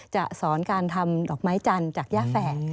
จะสอนการทำดอกไม้จันทร์จากย่าแฝก